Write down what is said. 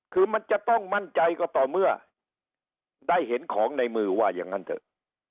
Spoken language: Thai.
คือมันจะต้องมั่นใจก็ต่อเมื่อได้เห็นของในมือว่าอย่างนั้นเถอะ